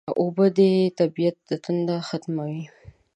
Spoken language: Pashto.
اوبه د طبیعت تنده ختموي